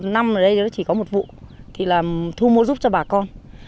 năm ở đây chỉ có một vụ thì là thu mua giúp cho bà con